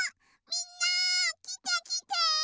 みんなきてきて！